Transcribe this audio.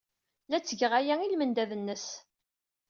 La ttgeɣ aya i lmendad-nnes.